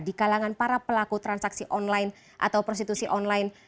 di kalangan para pelaku transaksi online atau prostitusi online